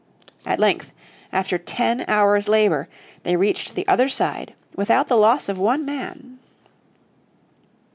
At length, after ten hours' labour, they reached the other side without the loss of one man.